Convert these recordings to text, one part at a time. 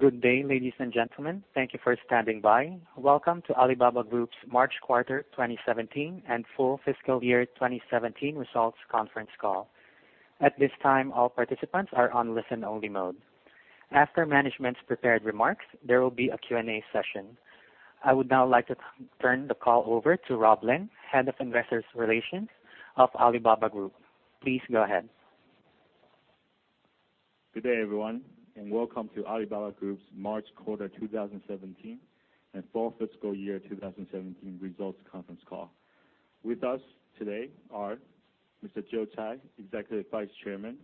Good day, ladies and gentlemen. Thank you for standing by. Welcome to Alibaba Group's March Quarter 2017 and Full Fiscal Year 2017 Results Conference Call. At this time, all participants are on listen-only mode. After management's prepared remarks, there will be a Q&A session. I would now like to turn the call over to Rob Lin, Head of Investor Relations of Alibaba Group. Please go ahead. Good day, everyone, and welcome to Alibaba Group's March quarter 2017 and Full Fiscal Year 2017 Results Conference Call. With us today are Mr. Joe Tsai, Executive Vice Chairman;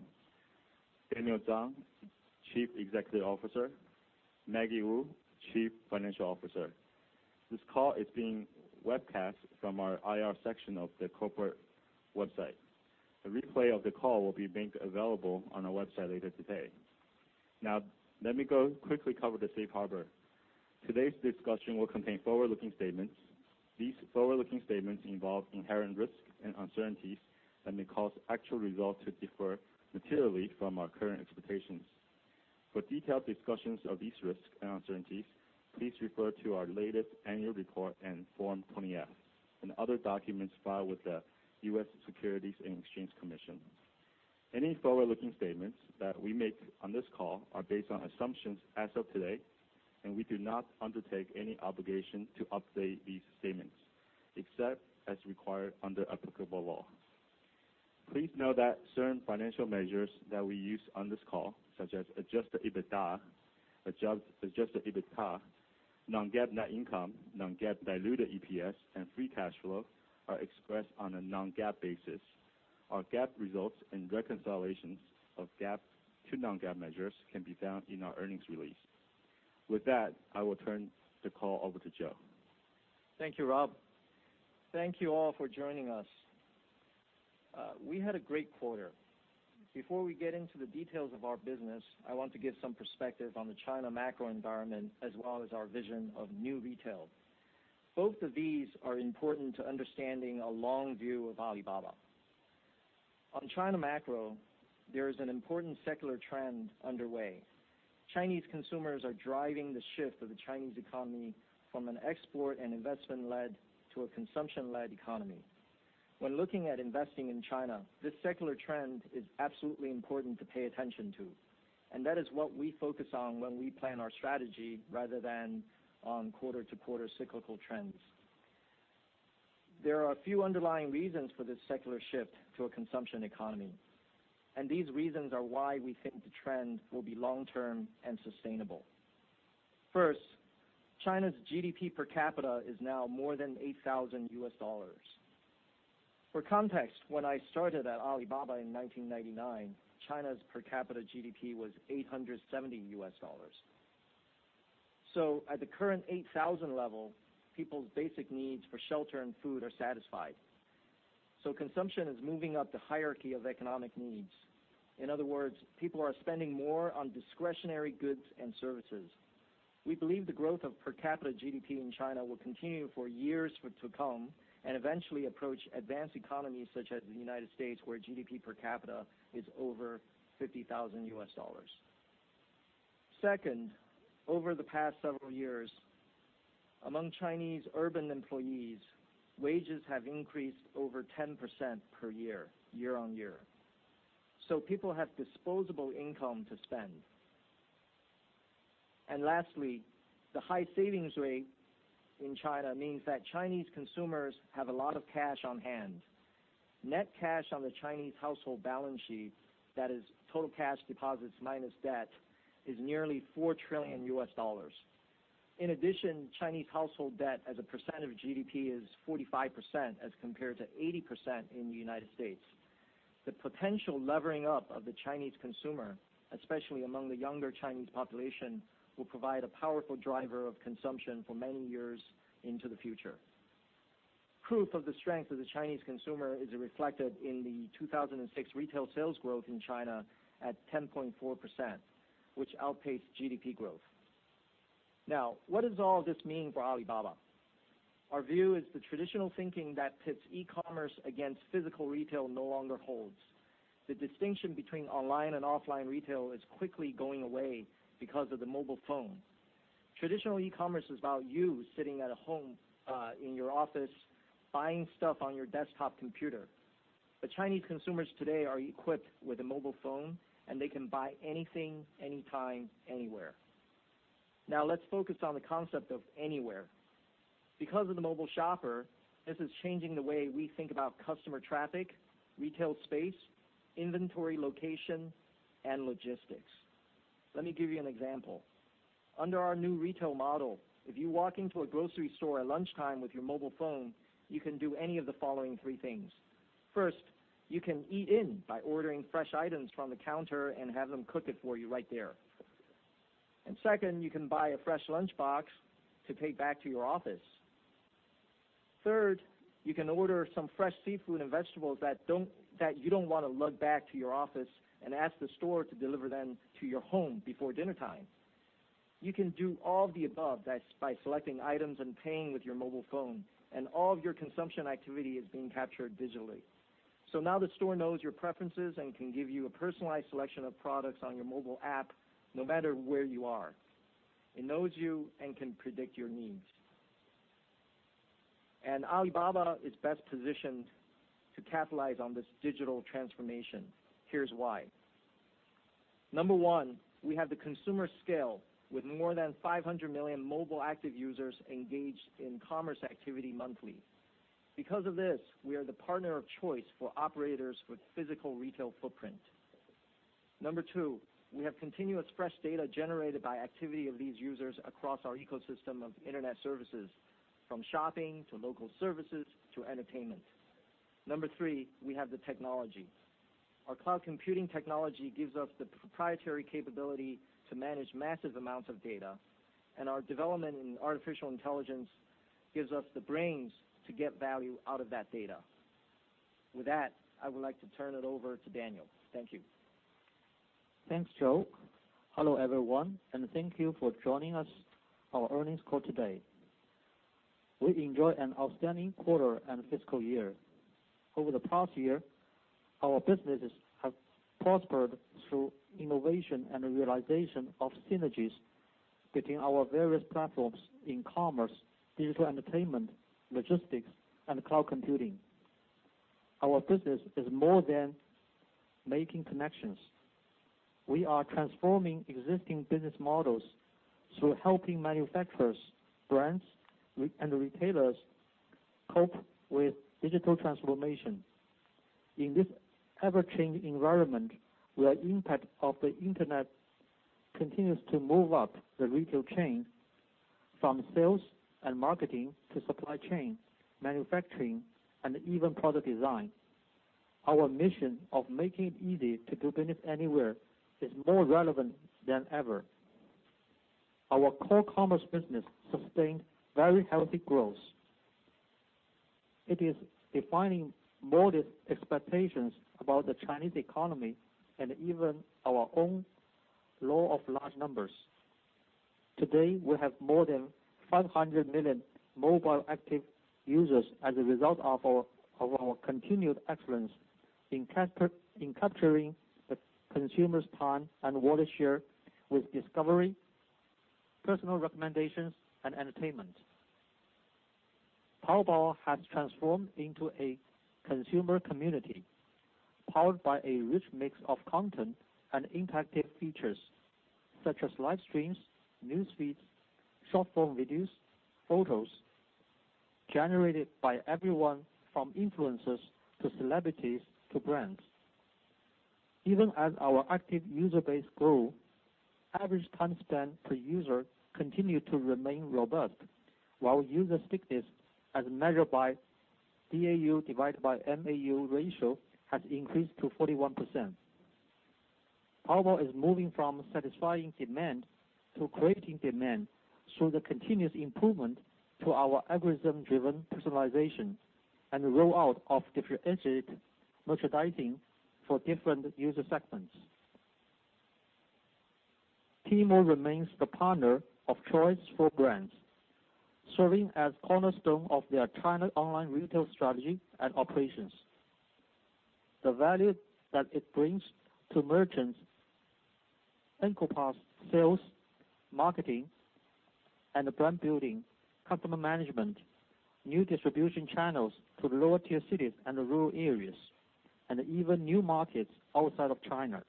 Daniel Zhang, Chief Executive Officer; Maggie Wu, Chief Financial Officer. This call is being webcast from our IR section of the corporate website. A replay of the call will be made available on our website later today. Let me go quickly cover the safe harbor. Today's discussion will contain forward-looking statements. These forward-looking statements involve inherent risks and uncertainties that may cause actual results to differ materially from our current expectations. For detailed discussions of these risks and uncertainties, please refer to our latest annual report and Form 20-F and other documents filed with the U.S. Securities and Exchange Commission. Any forward-looking statements that we make on this call are based on assumptions as of today, and we do not undertake any obligation to update these statements except as required under applicable law. Please note that certain financial measures that we use on this call, such as adjusted EBITDA, non-GAAP net income, non-GAAP diluted EPS, and free cash flow, are expressed on a non-GAAP basis. Our GAAP results and reconciliations of GAAP to non-GAAP measures can be found in our earnings release. With that, I will turn the call over to Joe. Thank you, Rob. Thank you all for joining us. We had a great quarter. Before we get into the details of our business, I want to give some perspective on the China macro environment as well as our vision of New Retail. Both of these are important to understanding a long view of Alibaba. On China macro, there is an important secular trend underway. Chinese consumers are driving the shift of the Chinese economy from an export and investment-led to a consumption-led economy. When looking at investing in China, this secular trend is absolutely important to pay attention to, and that is what we focus on when we plan our strategy rather than on quarter-to-quarter cyclical trends. There are a few underlying reasons for this secular shift to a consumption economy, and these reasons are why we think the trend will be long-term and sustainable. First, China's GDP per capita is now more than $8,000. For context, when I started at Alibaba in 1999, China's per capita GDP was $870. At the current $8,000 level, people's basic needs for shelter and food are satisfied. Consumption is moving up the hierarchy of economic needs. In other words, people are spending more on discretionary goods and services. We believe the growth of per capita GDP in China will continue for years to come and eventually approach advanced economies such as the U.S., where GDP per capita is over $50,000. Second, over the past several years, among Chinese urban employees, wages have increased over 10% per year-on-year. People have disposable income to spend. Lastly, the high savings rate in China means that Chinese consumers have a lot of cash on hand. Net cash on the Chinese household balance sheet, that is total cash deposits minus debt, is nearly $4 trillion. In addition, Chinese household debt as a percent of GDP is 45% as compared to 80% in the United States. The potential levering up of the Chinese consumer, especially among the younger Chinese population, will provide a powerful driver of consumption for many years into the future. Proof of the strength of the Chinese consumer is reflected in the 2006 retail sales growth in China at 10.4%, which outpaced GDP growth. What does all this mean for Alibaba? Our view is the traditional thinking that pits e-commerce against physical retail no longer holds. The distinction between online and offline retail is quickly going away because of the mobile phone. Traditional e-commerce is about you sitting at home, in your office buying stuff on your desktop computer. Chinese consumers today are equipped with a mobile phone, and they can buy anything, anytime, anywhere. Now, let's focus on the concept of anywhere. Because of the mobile shopper, this is changing the way we think about customer traffic, retail space, inventory location, and logistics. Let me give you an example. Under our New Retail model, if you walk into a grocery store at lunchtime with your mobile phone, you can do any of the following three things. First, you can eat in by ordering fresh items from the counter and have them cook it for you right there. Second, you can buy a fresh lunchbox to take back to your office. Third, you can order some fresh seafood and vegetables that you don't want to lug back to your office and ask the store to deliver them to your home before dinnertime. You can do all of the above by selecting items and paying with your mobile phone. All of your consumption activity is being captured digitally. Now the store knows your preferences and can give you a personalized selection of products on your mobile app, no matter where you are. It knows you and can predict your needs. Alibaba is best positioned to capitalize on this digital transformation. Here's why. Number one, we have the consumer scale, with more than 500 million mobile active users engaged in commerce activity monthly. Because of this, we are the partner of choice for operators with physical retail footprint. Number two, we have continuous fresh data generated by activity of these users across our ecosystem of internet services, from shopping to local services to entertainment. Number three, we have the technology. Our cloud computing technology gives us the proprietary capability to manage massive amounts of data, and our development in artificial intelligence gives us the brains to get value out of that data. With that, I would like to turn it over to Daniel. Thank you. Thanks, Joe. Hello, everyone, Thank you for joining us our earnings call today. We enjoy one outstanding quarter and fiscal year. Over the past year, our businesses have prospered through innovation and realization of synergies between our various platforms in commerce, Digital Media and Entertainment, logistics, and cloud computing. Our business is more than making connections. We are transforming existing business models through helping manufacturers, brands, and retailers cope with digital transformation. In this ever-changing environment, where impact of the internet continues to move up the retail chain from sales and marketing to supply chain, manufacturing, and even product design. Our mission of making it easy to do business anywhere is more relevant than ever. Our core commerce business sustained very healthy growth. It is defying modest expectations about the Chinese economy and even our own law of large numbers. Today, we have more than 500 million mobile active users as a result of our continued excellence in capturing the consumer's time and wallet share with discovery, personal recommendations, and entertainment. Taobao has transformed into a consumer community, powered by a rich mix of content and interactive features such as live streams, news feeds, short-form videos, photos generated by everyone from influencers to celebrities to brands. Even as our active user base grow, average time spent per user continued to remain robust, while user stickiness, as measured by DAU divided by MAU ratio, has increased to 41%. Taobao is moving from satisfying demand to creating demand through the continuous improvement to our algorithm-driven personalization and the rollout of differentiated merchandising for different user segments. Tmall remains the partner of choice for brands, serving as cornerstone of their China online retail strategy and operations. The value that it brings to merchants encompass sales, marketing, and brand building, customer management, new distribution channels to the lower tier cities and the rural areas, and even new markets outside of China.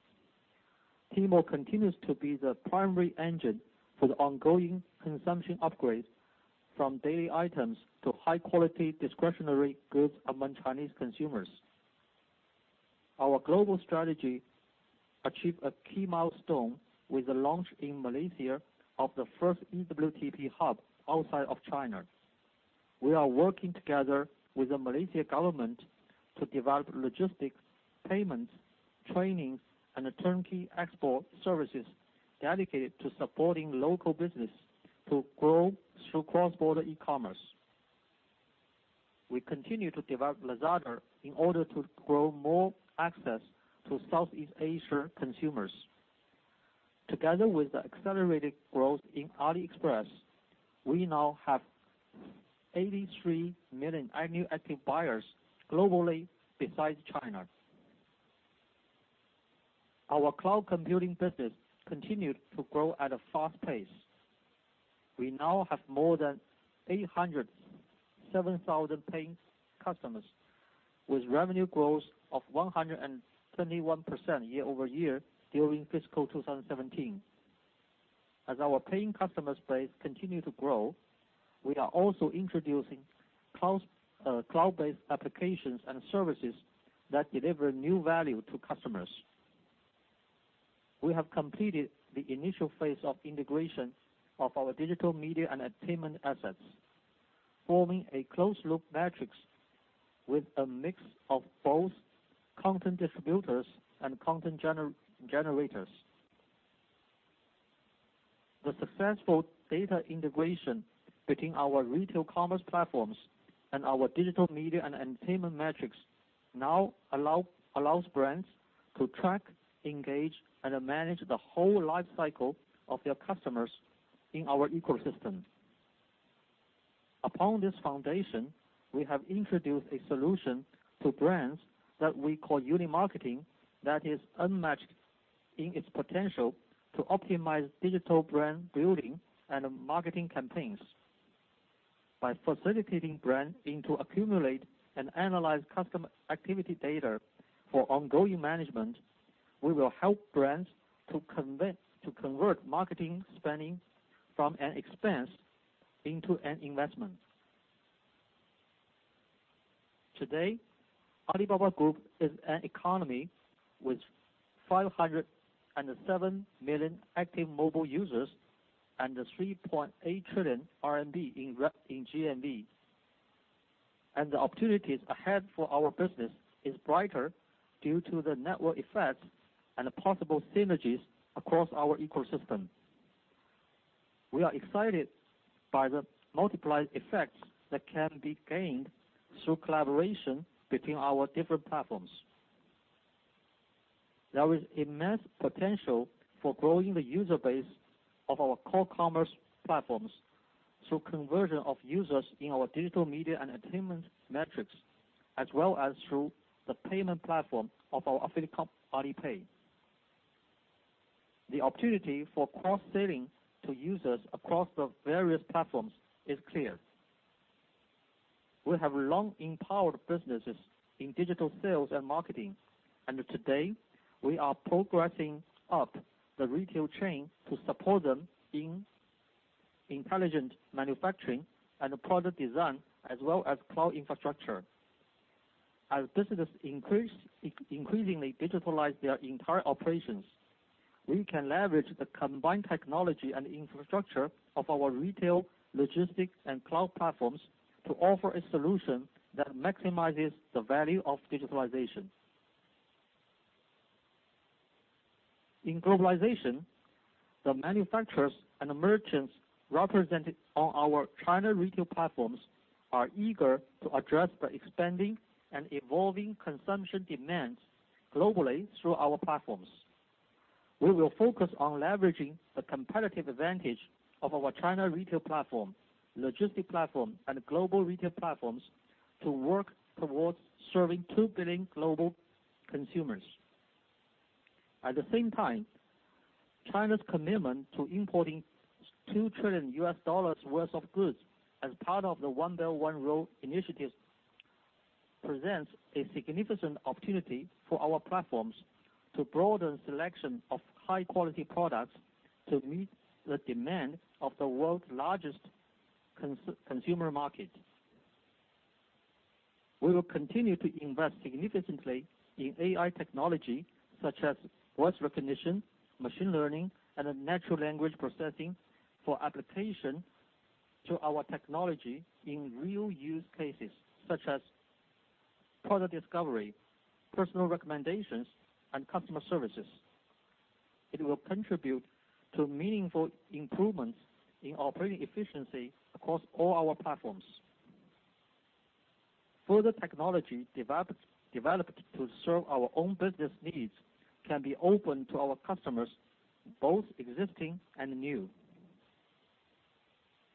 Tmall continues to be the primary engine for the ongoing consumption upgrade from daily items to high quality discretionary goods among Chinese consumers. Our global strategy achieved a key milestone with the launch in Malaysia of the first eWTP hub outside of China. We are working together with the Malaysia government to develop logistics, payments, training, and turnkey export services dedicated to supporting local business to grow through cross-border e-commerce. We continue to develop Lazada in order to grow more access to Southeast Asia consumers. Together with the accelerated growth in AliExpress, we now have 83 million annual active buyers globally besides China. Our cloud computing business continued to grow at a fast pace. We now have more than 807,000 paying customers, with revenue growth of 171% year-over-year during fiscal 2017. As our paying customers base continue to grow, we are also introducing cloud-based applications and services that deliver new value to customers. We have completed the initial phase of integration of our Digital Media and Entertainment assets, forming a closed loop matrix with a mix of both content distributors and content generators. The successful data integration between our retail commerce platforms and our Digital Media and Entertainment matrix now allows brands to track, engage, and manage the whole life cycle of their customers in our ecosystem. Upon this foundation, we have introduced a solution to brands that we call Uni Marketing that is unmatched in its potential to optimize digital brand building and marketing campaigns. By facilitating brand into accumulate and analyze customer activity data for ongoing management, we will help brands to convert marketing spending from an expense into an investment. Today, Alibaba Group is an economy with 507 million active mobile users and a 3.8 trillion RMB in GMV. The opportunities ahead for our business is brighter due to the network effects and possible synergies across our ecosystem. We are excited by the multiplied effects that can be gained through collaboration between our different platforms. There is immense potential for growing the user base of our core commerce platforms through conversion of users in our Digital Media and Entertainment metrics, as well as through the payment platform of our affiliate company, Alipay. The opportunity for cross-selling to users across the various platforms is clear. We have long empowered businesses in digital sales and marketing. Today, we are progressing up the retail chain to support them in intelligent manufacturing and product design, as well as cloud infrastructure. As businesses increasingly digitalize their entire operations, we can leverage the combined technology and infrastructure of our retail, logistics, and cloud platforms to offer a solution that maximizes the value of digitalization. In globalization, the manufacturers and merchants represented on our China retail platforms are eager to address the expanding and evolving consumption demands globally through our platforms. We will focus on leveraging the competitive advantage of our China retail platform, logistic platform, and global retail platforms to work towards serving 2 billion global consumers. At the same time, China's commitment to importing $2 trillion worth of goods as part of the One Belt One Road initiative presents a significant opportunity for our platforms to broaden selection of high-quality products to meet the demand of the world's largest consumer market. We will continue to invest significantly in AI technology such as voice recognition, machine learning, and natural language processing for application to our technology in real use cases such as product discovery, personal recommendations, and customer services. It will contribute to meaningful improvements in operating efficiency across all our platforms. Further technology developed to serve our own business needs can be open to our customers, both existing and new.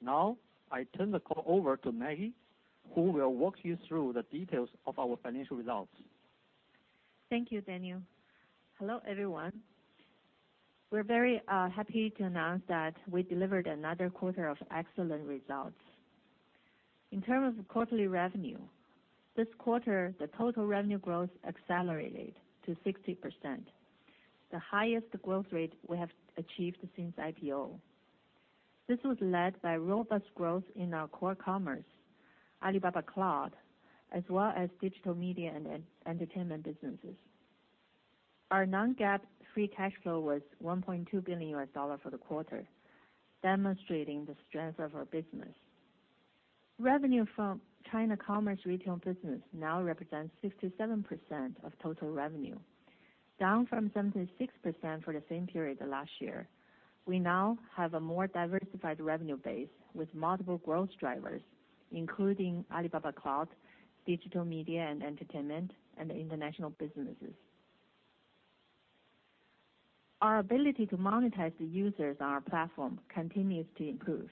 Now, I turn the call over to Maggie, who will walk you through the details of our financial results. Thank you, Daniel. Hello, everyone. We're very happy to announce that we delivered another quarter of excellent results. In terms of quarterly revenue, this quarter, the total revenue growth accelerated to 60%, the highest growth rate we have achieved since IPO. This was led by robust growth in our core commerce, Alibaba Cloud, as well as Digital Media and Entertainment businesses. Our non-GAAP free cash flow was $1.2 billion for the quarter, demonstrating the strength of our business. Revenue from China Commerce Retail business now represents 67% of total revenue, down from 76% for the same period last year. We now have a more diversified revenue base with multiple growth drivers, including Alibaba Cloud, Digital Media and Entertainment, and international businesses. Our ability to monetize the users on our platform continues to improve.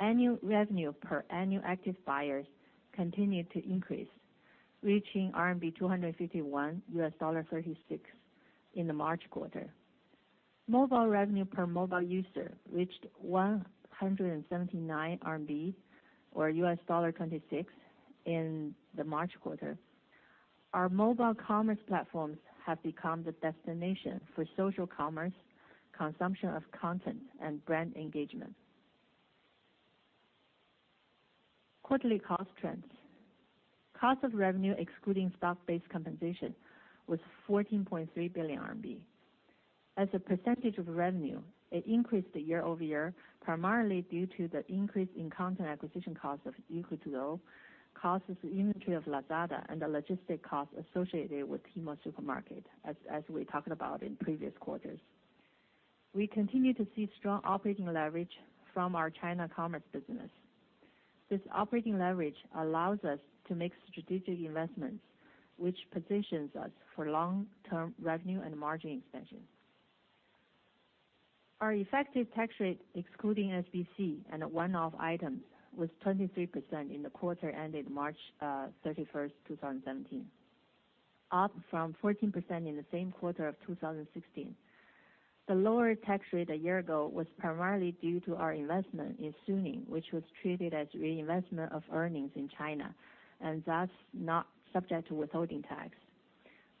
Annual revenue per annual active buyers continued to increase, reaching RMB 251, $36 in the March quarter. Mobile revenue per mobile user reached 179 RMB or $26 in the March quarter. Our mobile commerce platforms have become the destination for social commerce, consumption of content, and brand engagement. Quarterly cost trends. Cost of revenue excluding stock-based compensation was 14.3 billion RMB. As a percentage of revenue, it increased year-over-year, primarily due to the increase in content acquisition cost of Youku Tudou, cost of inventory of Lazada, and the logistic costs associated with Tmall Supermarket, as we talked about in previous quarters. We continue to see strong operating leverage from our China commerce business. This operating leverage allows us to make strategic investments, which positions us for long-term revenue and margin expansion. Our effective tax rate, excluding SBC and one-off items, was 23% in the quarter ended March 31st, 2017, up from 14% in the same quarter of 2016. The lower tax rate a year ago was primarily due to our investment in Suning, which was treated as reinvestment of earnings in China, and thus not subject to withholding tax.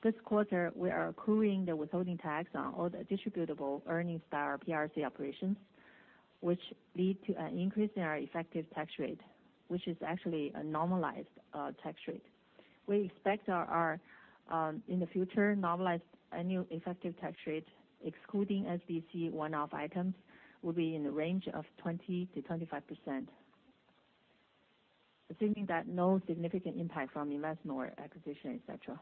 This quarter, we are accruing the withholding tax on all the distributable earnings to our PRC operations, which lead to an increase in our effective tax rate, which is actually a normalized tax rate. We expect our in the future, normalized annual effective tax rate, excluding SBC one-off items, will be in the range of 20%-25%. Assuming that no significant impact from investment or acquisition, et cetera.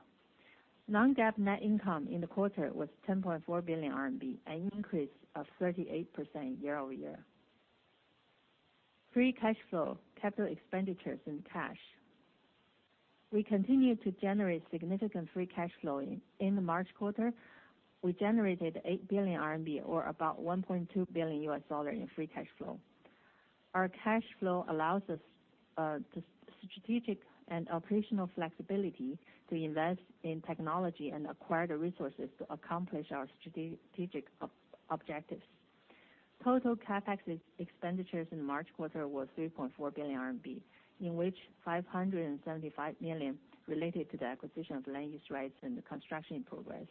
Non-GAAP net income in the quarter was 10.4 billion RMB, an increase of 38% year-over-year. Free cash flow, capital expenditures and cash. We continue to generate significant free cash flow. In the March quarter, we generated 8 billion RMB or about $1.2 billion in free cash flow. Our cash flow allows us the strategic and operational flexibility to invest in technology and acquire the resources to accomplish our strategic objectives. Total CapEx expenditures in the March quarter was 3.4 billion RMB, in which 575 million related to the acquisition of land use rights and the construction in progress.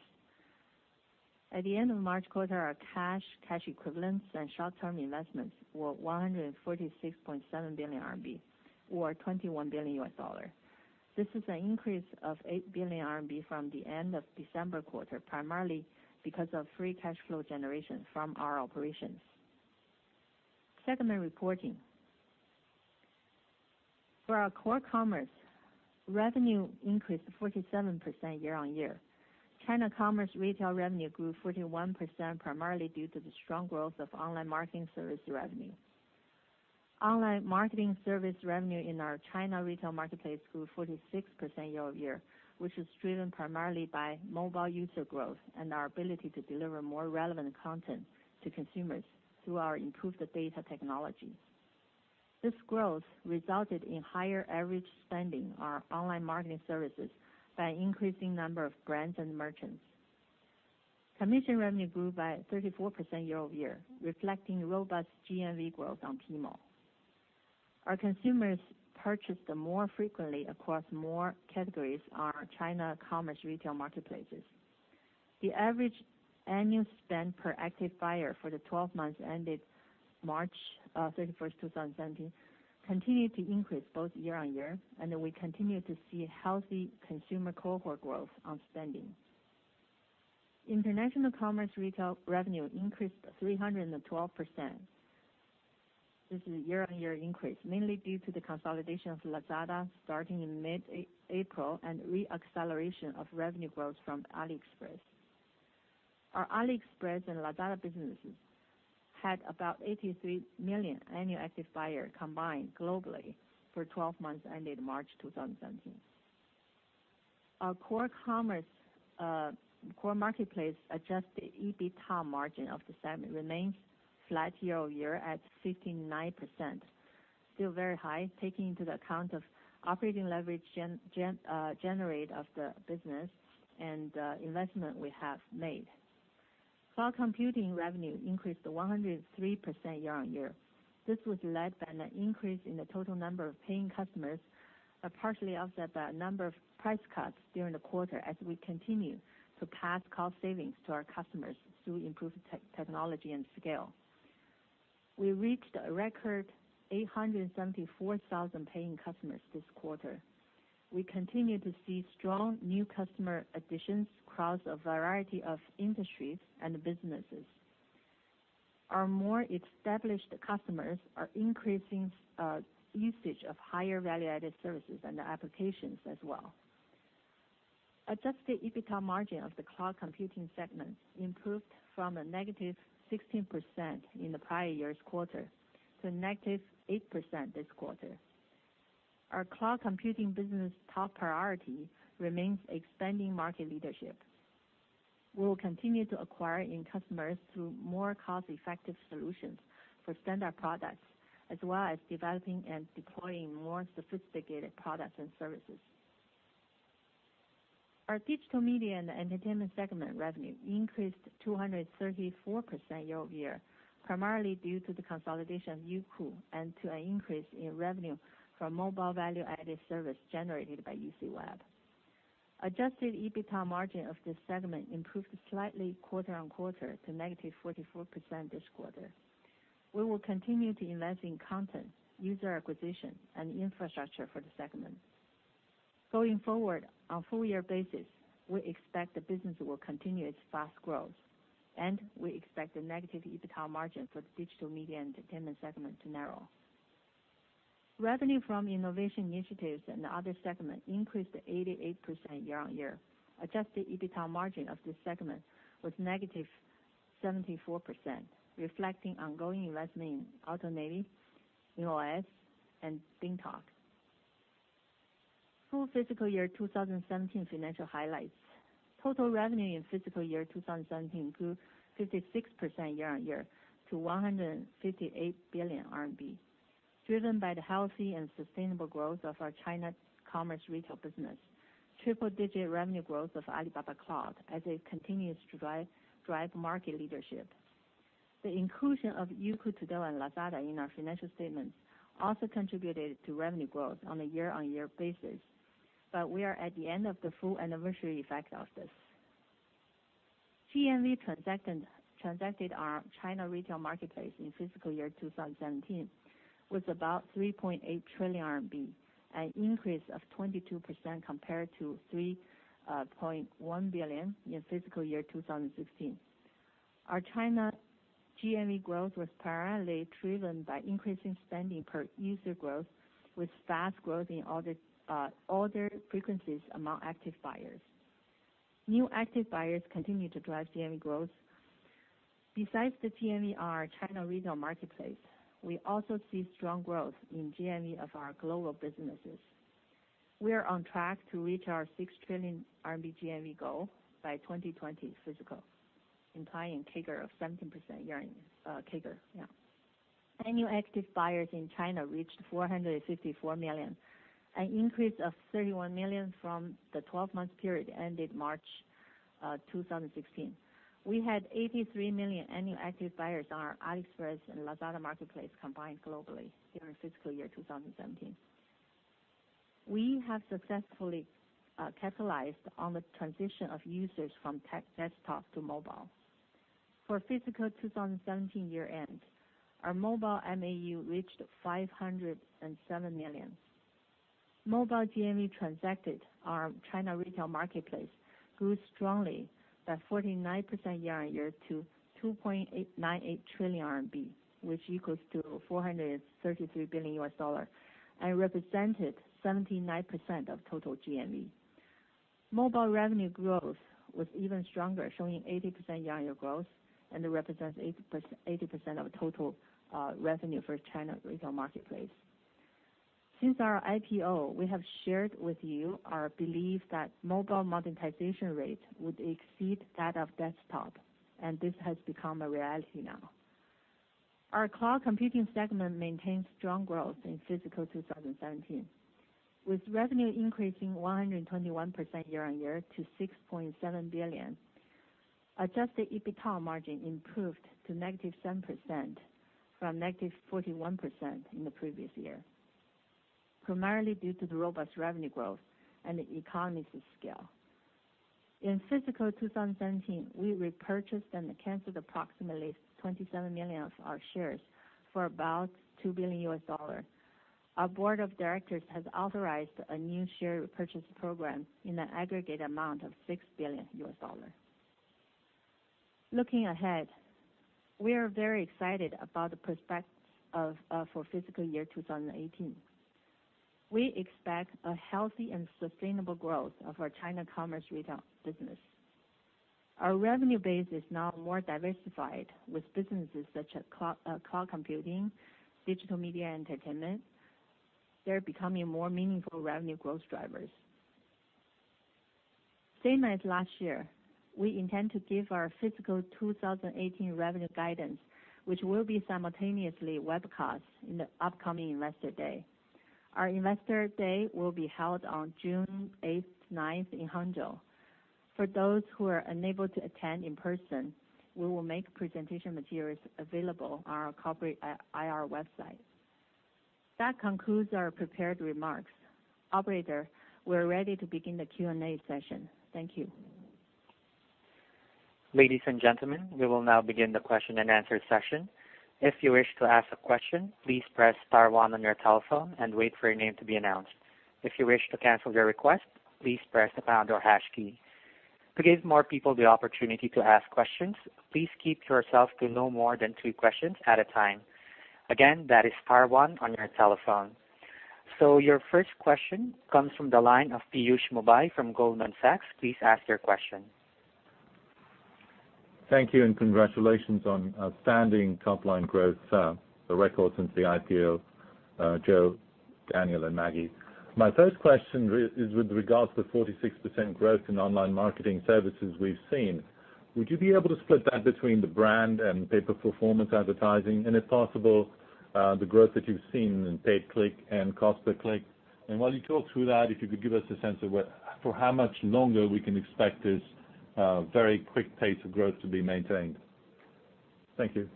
At the end of March quarter, our cash equivalents and short-term investments were 146.7 billion RMB or $21 billion. This is an increase of 8 billion RMB from the end of December quarter, primarily because of free cash flow generation from our operations. Segment reporting. For our Core Commerce, revenue increased 47% year-on-year. China Commerce Retail revenue grew 41% primarily due to the strong growth of online marketing service revenue. Online marketing service revenue in our China Retail Marketplace grew 46% year-over-year, which is driven primarily by mobile user growth and our ability to deliver more relevant content to consumers through our improved data technology. This growth resulted in higher average spending on our online marketing services by increasing number of brands and merchants. Commission revenue grew by 34% year-over-year, reflecting robust GMV growth on Tmall. Our consumers purchased more frequently across more categories on our China Commerce Retail marketplaces. The average annual spend per active buyer for the 12 months ended March 31st, 2017, continued to increase both year-over-year, and we continue to see healthy consumer cohort growth on spending. International commerce retail revenue increased 312%. This is a year-over-year increase, mainly due to the consolidation of Lazada starting in mid-April and re-acceleration of revenue growth from AliExpress. Our AliExpress and Lazada businesses had about 83 million annual active buyers combined globally for 12 months ended March 2017. Our core commerce, core marketplace adjusted EBITDA margin of the segment remains flat year-over-year at 59%. Still very high, taking into account of operating leverage generate of the business and investment we have made. Cloud computing revenue increased 103% year-over-year. This was led by an increase in the total number of paying customers, partially offset by a number of price cuts during the quarter as we continue to pass cost savings to our customers through improved technology and scale. We reached a record 874,000 paying customers this quarter. We continue to see strong new customer additions across a variety of industries and businesses. Our more established customers are increasing usage of higher value-added services and applications as well. Adjusted EBITDA margin of the cloud computing segment improved from a -16% in the prior year's quarter to -8% this quarter. Our cloud computing business top priority remains expanding market leadership. We will continue to acquire in customers through more cost-effective solutions for standard products, as well as developing and deploying more sophisticated products and services. Our Digital Media and Entertainment segment revenue increased 234% year-over-year, primarily due to the consolidation of Youku and to an increase in revenue from mobile value-added service generated by UCWeb. Adjusted EBITDA margin of this segment improved slightly quarter-on-quarter to -44% this quarter. We will continue to invest in content, user acquisition and infrastructure for the segment. Going forward, on full-year basis, we expect the business will continue its fast growth, and we expect the negative EBITDA margin for the Digital Media and Entertainment segment to narrow. Revenue from Innovation Initiatives and Other segment increased 88% year-on-year. Adjusted EBITDA margin of this segment was -74%, reflecting ongoing investment in AutoNavi, Cainiao, and DingTalk. Full Fiscal Year 2017 financial highlights. Total revenue in fiscal year 2017 grew 56% year-on-year to 158 billion RMB, driven by the healthy and sustainable growth of our China Commerce Retail business. Triple-digit revenue growth of Alibaba Cloud as it continues to drive market leadership. The inclusion of Youku Tudou and Lazada in our financial statements also contributed to revenue growth on a year-on-year basis. We are at the end of the full anniversary effect of this. GMV transacted on China Retail Marketplace in fiscal year 2017 was about 3.8 trillion RMB, an increase of 22% compared to 3.1 billion in fiscal year 2016. Our China GMV growth was primarily driven by increasing spending per user growth, with fast growth in order frequencies among active buyers. New active buyers continue to drive GMV growth. Besides the GMV on our China regional marketplace, we also see strong growth in GMV of our global businesses. We are on track to reach our 6 trillion RMB GMV goal by 2020 fiscal, implying CAGR of 17%. Yeah. Annual active buyers in China reached 454 million, an increase of 31 million from the 12-month period ended March 2016. We had 83 million annual active buyers on our AliExpress and Lazada marketplace combined globally during fiscal year 2017. We have successfully capitalized on the transition of users from desktop to mobile. For fiscal 2017 year-end, our mobile MAU reached 507 million. Mobile GMV transacted on China Retail Marketplace grew strongly by 49% year-on-year to 2.898 trillion RMB, which equals to $433 billion and represented 79% of total GMV. Mobile revenue growth was even stronger, showing 80% year-on-year growth, it represents 80% of total revenue for China Retail Marketplace. Since our IPO, we have shared with you our belief that mobile monetization rate would exceed that of desktop, this has become a reality now. Our Cloud Computing Segment maintained strong growth in fiscal 2017, with revenue increasing 121% year-on-year to 6.7 billion. Adjusted EBITDA margin improved to -7% from -41% in the previous year, primarily due to the robust revenue growth and the economies of scale. In fiscal 2017, we repurchased and canceled approximately 27 million of our shares for about $2 billion. Our board of directors has authorized a new share repurchase program in an aggregate amount of $6 billion. Looking ahead, we are very excited about the prospects for fiscal year 2018. We expect a healthy and sustainable growth of our China Commerce Retail business. Our revenue base is now more diversified with businesses such as cloud computing, digital media entertainment. They're becoming more meaningful revenue growth drivers. Same as last year, we intend to give our fiscal 2018 revenue guidance, which will be simultaneously webcast in the upcoming Investor Day. Our Investor Day will be held on June 8th, 9th in Hangzhou. For those who are unable to attend in person, we will make presentation materials available on our IR website. That concludes our prepared remarks. Operator, we are ready to begin the Q&A session. Thank you. Ladies and gentlemen, we will now begin the question-and-answer session. If you wish to ask a question, please press star one on your telephone and wait for your name to be announced. If you wish to cancel your request, please press the pound or hash key. To give more people the opportunity to ask questions, please keep yourself to no more than two questions at a time. Again, that is star one on your telephone. Your first question comes from the line of Piyush Mubayi from Goldman Sachs. Please ask your question. Thank you, and congratulations on outstanding top-line growth, the record since the IPO, Joe, Daniel, and Maggie. My first question is with regards to the 46% growth in online marketing services we've seen. Would you be able to split that between the brand and pay-per-performance advertising? If possible, the growth that you've seen in paid click and cost per click. While you talk through that, if you could give us a sense of for how much longer we can expect this very quick pace of growth to be maintained. Thank you.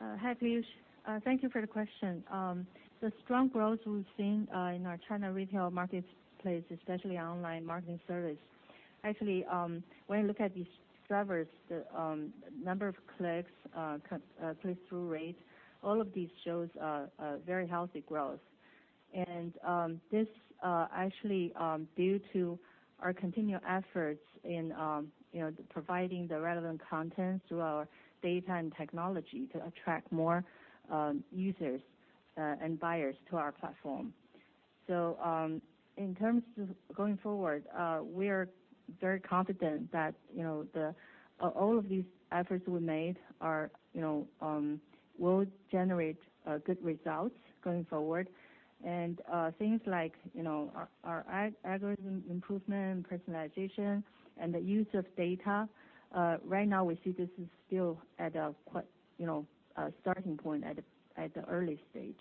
Hi, Piyush. Thank you for the question. The strong growth we've seen in our China Retail Marketplace, especially online marketing service, actually, when you look at these drivers, the number of clicks, click-through rate, all of these shows a very healthy growth. Actually, due to our continued efforts in, you know, providing the relevant content through our data and technology to attract more users and buyers to our platform. In terms of going forward, we are very confident that, you know, all of these efforts we made are, you know, will generate good results going forward. Things like, you know, our algorithm improvement, personalization, and the use of data, right now we see this is still at a starting point at the early stage.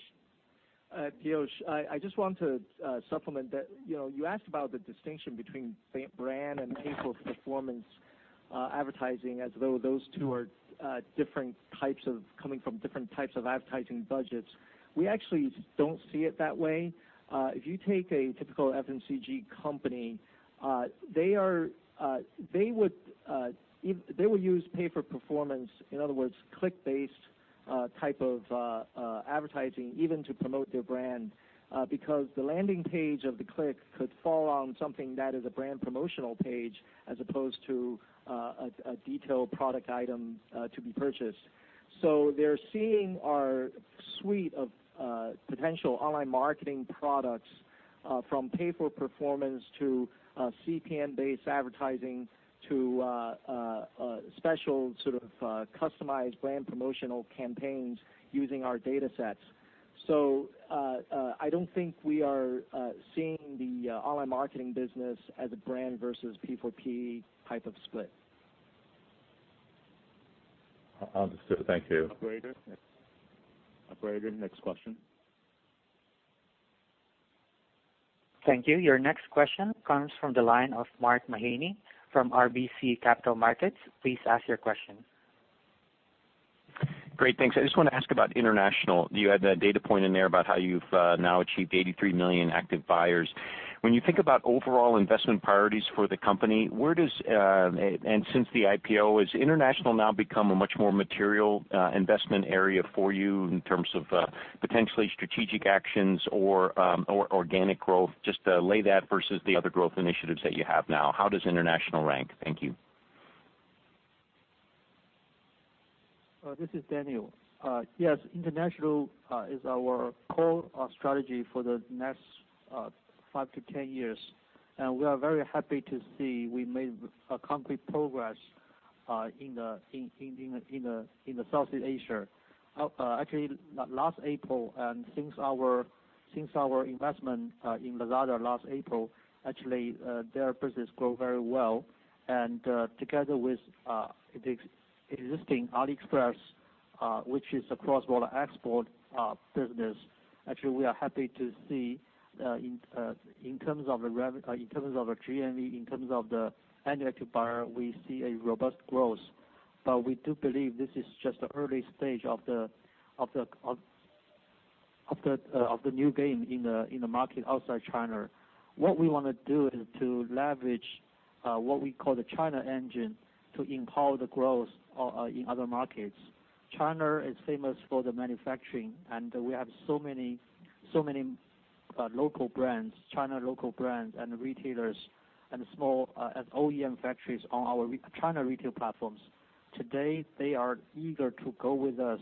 Piyush, I just want to supplement that, you know, you asked about the distinction between brand and pay-for-performance advertising as though those two are different types of coming from different types of advertising budgets. We actually don't see it that way. If you take a typical FMCG company, they would use pay-for-performance, in other words, click-based, type of advertising even to promote their brand, because the landing page of the click could fall on something that is a brand promotional page as opposed to a detailed product item to be purchased. They're seeing our suite of potential online marketing products from pay-for-performance to CPM-based advertising to special sort of customized brand promotional campaigns using our data sets. I don't think we are seeing the online marketing business as a brand versus P4P type of split. Understood. Thank you. Operator. Operator, next question. Thank you. Your next question comes from the line of Mark Mahaney from RBC Capital Markets. Please ask your question. Great, thanks. I just want to ask about international. You had that data point in there about how you've now achieved 83 million active buyers. When you think about overall investment priorities for the company, where does and since the IPO, has international now become a much more material investment area for you in terms of potentially strategic actions or or organic growth? Just lay that versus the other growth initiatives that you have now. How does international rank? Thank you. This is Daniel. Yes, international is our core strategy for the next five to ten years. We are very happy to see we made a concrete progress in the Southeast Asia. Actually, last April, since our investment in Lazada last April, actually, their business grow very well. Together with existing AliExpress, which is a cross-border export business, actually, we are happy to see in terms of the GMV, in terms of the annual active buyer, we see a robust growth. We do believe this is just the early stage of the new game in the market outside China. What we wanna do is to leverage what we call the China engine to empower the growth in other markets. China is famous for the manufacturing, and we have so many local brands, China local brands, and retailers and small and OEM factories on our China retail platforms. Today, they are eager to go with us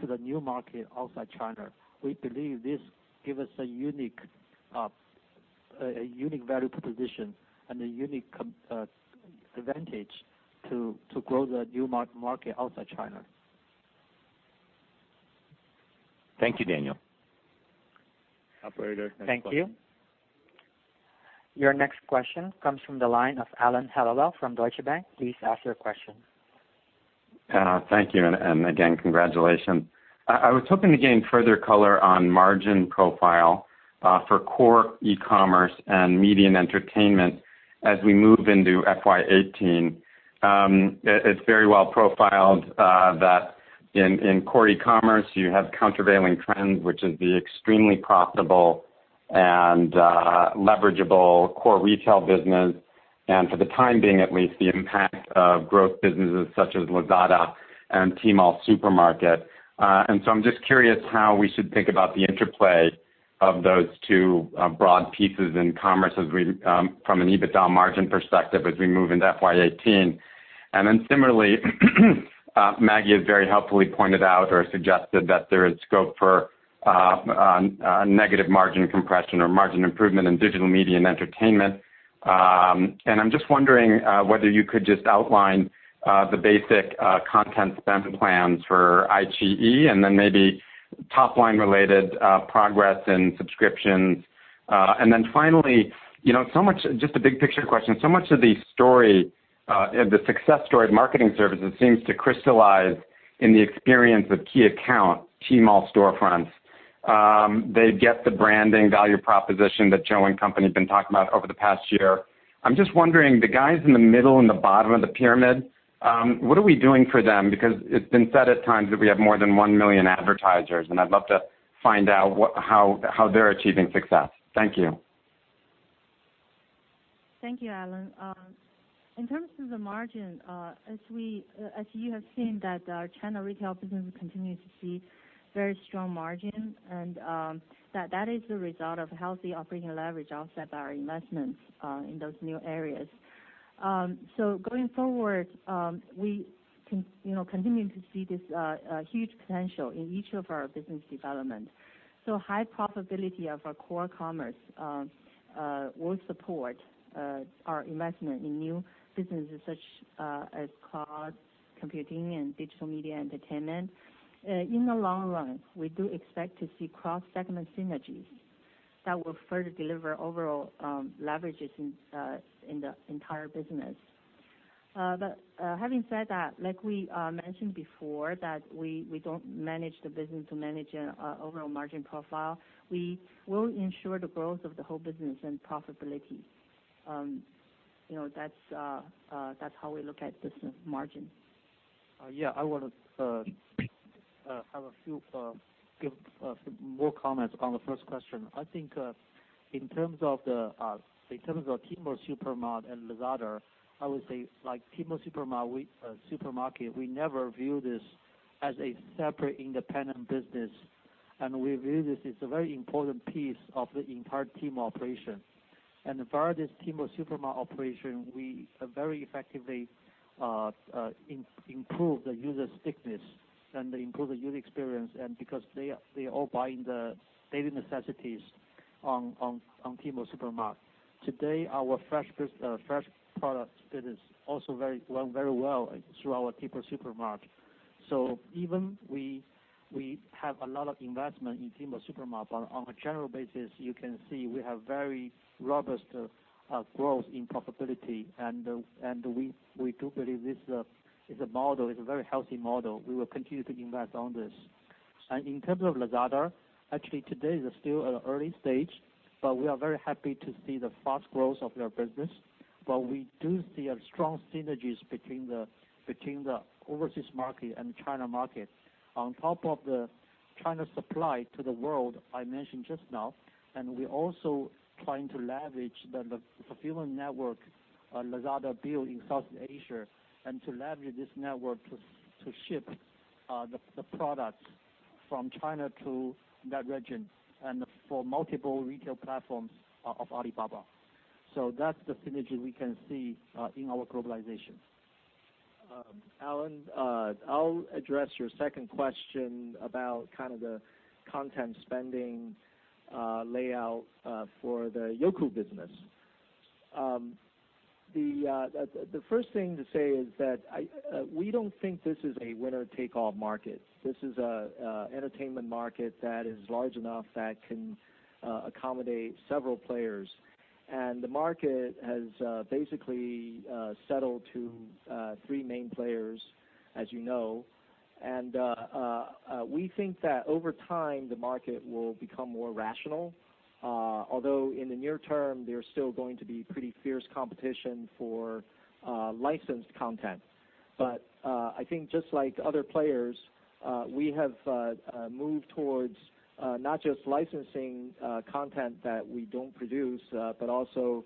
to the new market outside China. We believe this give us a unique value proposition and a unique advantage to grow the new market outside China. Thank you, Daniel. Operator, next question. Thank you. Your next question comes from the line of Alan Hellawell from Deutsche Bank. Please ask your question. Thank you, and again, congratulations. I was hoping to gain further color on margin profile for core e-commerce and media and entertainment as we move into FY 2018. It's very well profiled that in core e-commerce you have countervailing trends, which is the extremely profitable and leverageable core retail business, and for the time being at least, the impact of growth businesses such as Lazada and Tmall Supermarket. I'm just curious how we should think about the interplay of those two broad pieces in commerce from an EBITDA margin perspective as we move into FY 2018. Similarly, Maggie has very helpfully pointed out or suggested that there is scope for negative margin compression or margin improvement in Digital Media and Entertainment. I'm just wondering whether you could just outline the basic content spend plans for DME and then maybe top-line related progress in subscriptions. Finally, you know, So much of the story, the success story of marketing services seems to crystallize in the experience of key account Tmall storefronts. They get the branding value proposition that Joe and company have been talking about over the past year. I'm just wondering, the guys in the middle and the bottom of the pyramid, what are we doing for them? Because it's been said at times that we have more than 1 million advertisers, and I'd love to find out what, how they're achieving success. Thank you. Thank you, Alan. In terms of the margin, as we, as you have seen that our China retail business will continue to see very strong margin and that is the result of healthy operating leverage offset by our investments in those new areas. Going forward, we you know, continuing to see this huge potential in each of our business development. High profitability of our core commerce will support our investment in new businesses such as cloud computing and Digital Media and Entertainment. In the long run, we do expect to see cross-segment synergies that will further deliver overall leverages in the entire business. Having said that, like we mentioned before that we don't manage the business to manage an overall margin profile. We will ensure the growth of the whole business and profitability. You know, that's how we look at this margin. Yeah, I wanna have a few, give more comments on the first question. I think, in terms of the, in terms of Tmall Supermarket and Lazada, I would say like Tmall Supermarket, we never view this as a separate independent business. We view this as a very important piece of the entire Tmall operation. Via this Tmall Supermarket operation, we very effectively improve the user stickiness and improve the user experience because they are all buying the daily necessities on Tmall Supermarket. Today, our fresh products business also run very well through our Tmall Supermarket. Even we have a lot of investment in Tmall Supermarket, but on a general basis, you can see we have very robust growth in profitability. We do believe this is a model, is a very healthy model. We will continue to invest on this. In terms of Lazada, actually today is still at an early stage, but we are very happy to see the fast growth of their business. We do see a strong synergies between the overseas market and China market. On top of the China supply to the world, I mentioned just now, we're also trying to leverage the fulfillment network Lazada built in Southeast Asia, to leverage this network to ship the products from China to that region and for multiple retail platforms of Alibaba. That's the synergy we can see in our globalization. Alan, I'll address your second question about kind of the content spending layout for the Youku business. The first thing to say is that I, we don't think this is a winner-take-all market. This is a entertainment market that is large enough that can accommodate several players. The market has basically settled to three main players, as you know. We think that over time, the market will become more rational, although in the near term, there's still going to be pretty fierce competition for licensed content. I think just like other players, we have moved towards not just licensing content that we don't produce, but also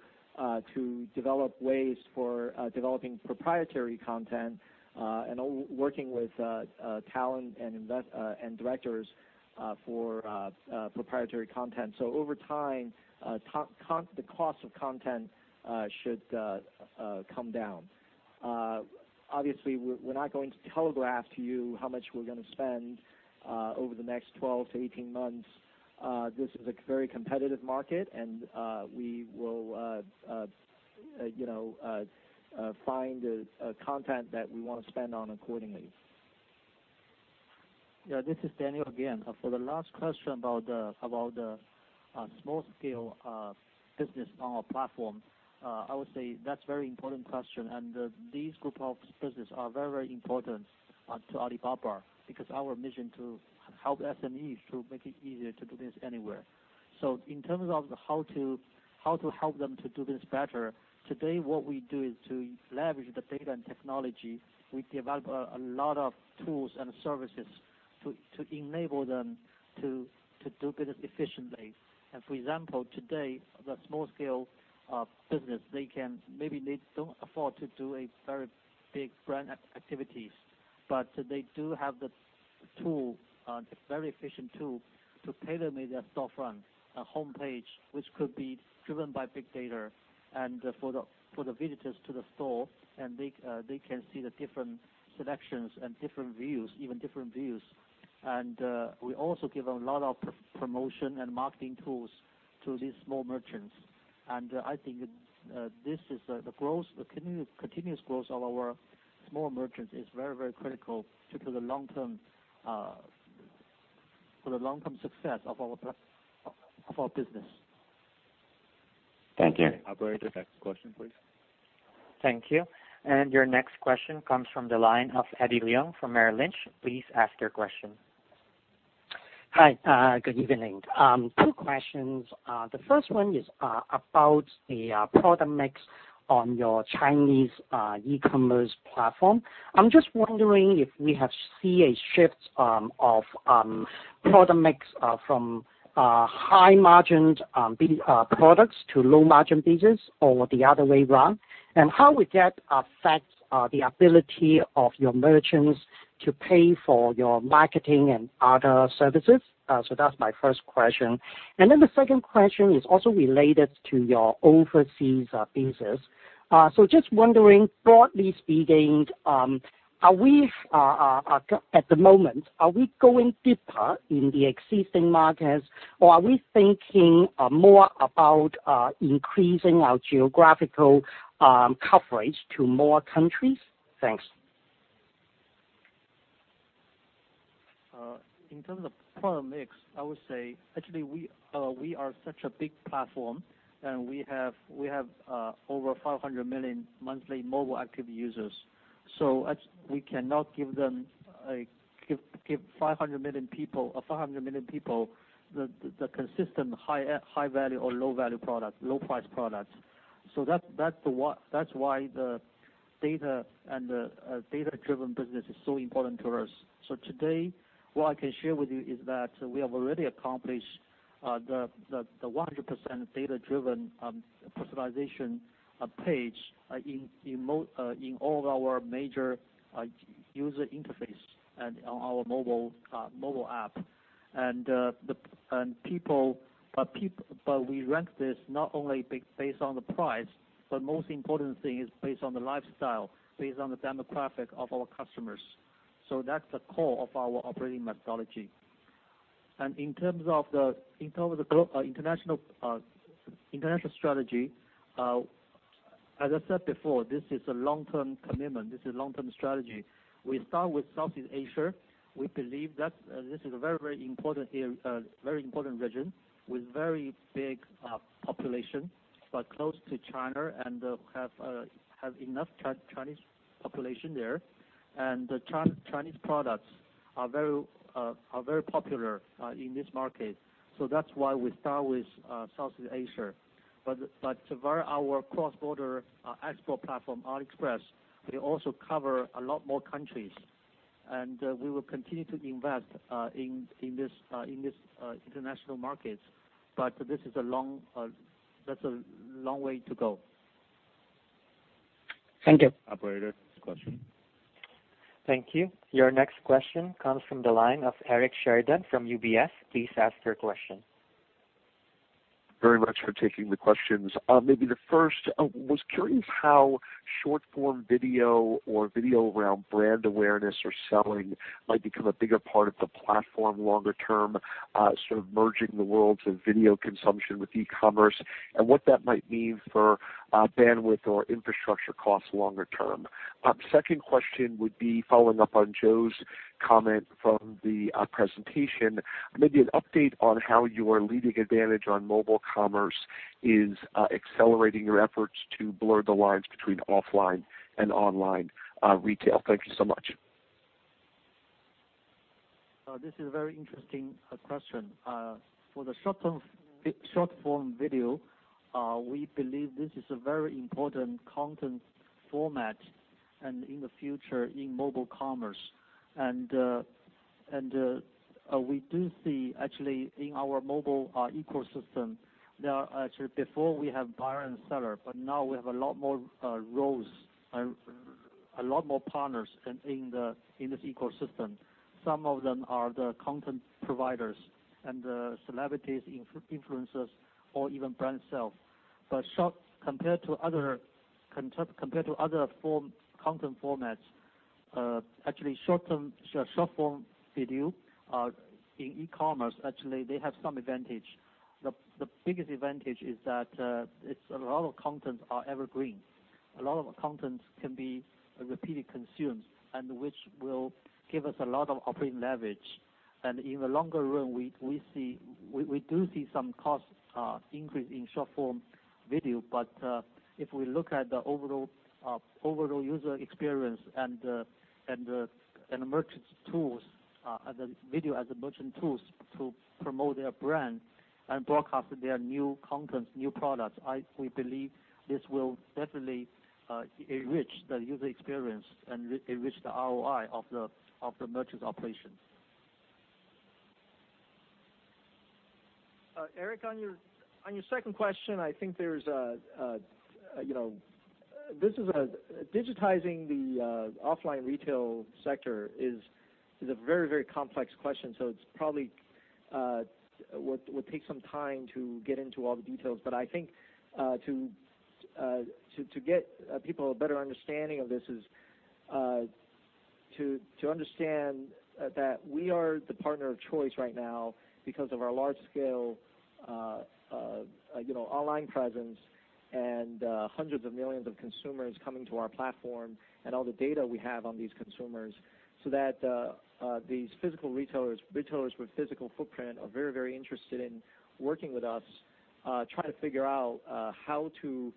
to develop ways for developing proprietary content and working with talent and directors for proprietary content. Over time, the cost of content should come down. Obviously, we're not going to telegraph to you how much we're gonna spend over the next 12-18 months. This is a very competitive market and we will, you know, find a content that we wanna spend on accordingly. Yeah, this is Daniel again. For the last question about the small scale business on our platform, I would say that's very important question. These group of business are very important to Alibaba because our mission to help SMEs to make it easier to do business anywhere. In terms of how to help them to do business better, today what we do is to leverage the data and technology. We develop a lot of tools and services to enable them to do business efficiently. For example, today, the small scale business, they can, maybe they don't afford to do a very big brand activities, but they do have the tool, a very efficient tool to tailor make their storefront, a homepage which could be driven by big data for the visitors to the store, and they can see the different selections and different views, even different views. We also give a lot of promotion and marketing tools to these small merchants. I think this is the growth, the continuous growth of our small merchants is very critical to the long-term for the long-term success of our business. Thank you. Operator, next question please. Thank you. Your next question comes from the line of Eddie Leung from Merrill Lynch. Please ask your question. Hi. Good evening. Two questions. The first one is about the product mix. On your Chinese e-commerce platform. I'm just wondering if we have see a shift of product mix from high margined products to low margin business or the other way round, and how would that affect the ability of your merchants to pay for your marketing and other services? That's my first question. Then the second question is also related to your overseas business. Just wondering, broadly speaking, are we at the moment going deeper in the existing markets? Or are we thinking more about increasing our geographical coverage to more countries? Thanks. In terms of product mix, I would say, actually, we are such a big platform, and we have over 500 million monthly mobile active users. We cannot give them 500 million people the consistent high value or low value product, low price product. That's why the data and the data-driven business is so important to us. Today, what I can share with you is that we have already accomplished the 100% data-driven personalization page in all of our major user interface and on our mobile app. We rank this not only based on the price, but most important thing is based on the lifestyle, based on the demographic of our customers. That's the core of our operating methodology. In terms of the, in terms of the international strategy, as I said before, this is a long-term commitment. This is long-term strategy. We start with Southeast Asia. We believe that this is a very important here, very important region with very big population, but close to China and have enough Chinese population there. The Chinese products are very popular in this market. That's why we start with Southeast Asia. Via our cross-border export platform, AliExpress, we also cover a lot more countries, and we will continue to invest in this international markets. This is a long, that's a long way to go. Thank you. Operator, next question. Thank you. Your next question comes from the line of Eric Sheridan from UBS. Please ask your question. Very much for taking the questions. Maybe the first, was curious how short-form video or video around brand awareness or selling might become a bigger part of the platform longer term, sort of merging the worlds of video consumption with e-commerce and what that might mean for bandwidth or infrastructure costs longer term. Second question would be following up on Joe's comment from the presentation, maybe an update on how your leading advantage on mobile commerce is accelerating your efforts to blur the lines between offline and online retail. Thank you so much. This is a very interesting question. For the short-term, short-form video, we believe this is a very important content format and in the future in mobile commerce. We do see actually in our mobile ecosystem, there are actually before we have buyer and seller, but now we have a lot more roles, a lot more partners in this ecosystem. Some of them are the content providers and the celebrities, influencers or even brand itself. Short compared to other, compared to other form, content formats, actually short-term, short-form video, in e-commerce, actually, they have some advantage. The biggest advantage is that it's a lot of content are evergreen. A lot of content can be repeatedly consumed and which will give us a lot of operating leverage. In the longer run, we do see some costs increase in short-form video. If we look at the overall user experience and merchant tools, and video as a merchant tools to promote their brand and broadcast their new content, new products, we believe this will definitely enrich the user experience and re-enrich the ROI of the merchant operations. Eric, on your second question, I think there's a, you know, digitizing the offline retail sector is a very, very complex question. It's probably would take some time to get into all the details. I think to get people a better understanding of this is to understand that we are the partner of choice right now because of our large scale, you know, online presence and hundreds of millions of consumers coming to our platform and all the data we have on these consumers, so that these physical retailers with physical footprint are very, very interested in working with us, trying to figure out how to.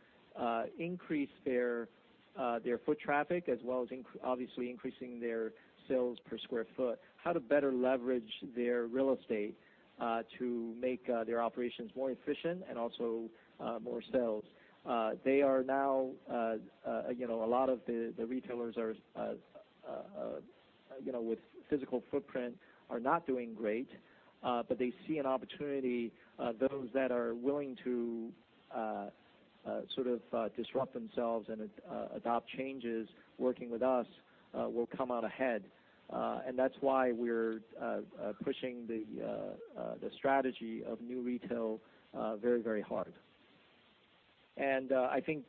Their foot traffic as well as obviously increasing their sales per square foot. How to better leverage their real estate to make their operations more efficient and also more sales. They are now, you know, a lot of the retailers are, you know, with physical footprint are not doing great, but they see an opportunity, those that are willing to sort of disrupt themselves and adopt changes working with us, will come out ahead. That's why we're pushing the strategy of New Retail very, very hard. I think.